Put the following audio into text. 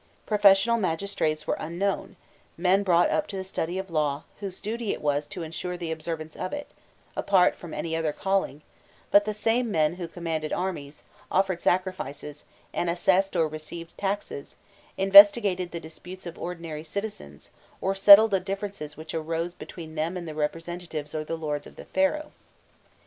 Professional magistrates were unknown men brought up to the study of law, whose duty it was to ensure the observance of it, apart from any other calling but the same men who commanded armies, offered sacrifices, and assessed or received taxes, investigated the disputes of ordinary citizens, or settled the differences which arose between them and the representatives of the lords or of the Pharaoh.